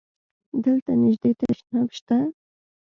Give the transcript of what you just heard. دلته نژدی تشناب شته؟